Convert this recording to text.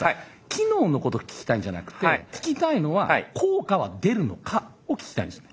機能のこと聞きたいんじゃなくて聞きたいのは「効果は出るのか」を聞きたいんですよ。